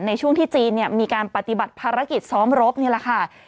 ในช่วงที่จีนมีการปฏิบัติภารกิจซ้อมรบนี่แหละค่ะ